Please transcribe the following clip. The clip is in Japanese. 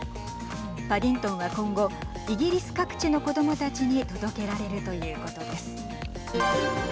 パディントンは今後イギリス各地の子どもたちに届けられるということです。